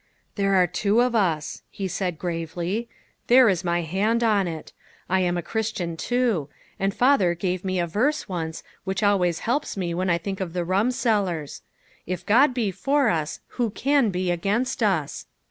"There are two of us," he said gravely. " There is my hand on it. I am a Christian, too. And father gave me a verse once, which always helps me when I think of the rumsellers :* If God be for us, who can be against us